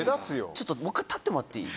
もう一回立ってもらっていい？